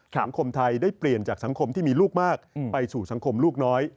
สังคมไทยได้เปลี่ยนจากสังคมที่มีลูกมากไปสู่สังคมลูกน้อย